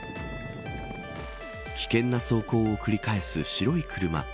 危険な走行を繰り返す白い車。